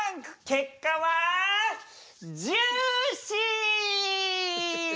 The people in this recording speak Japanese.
結果はジューシー！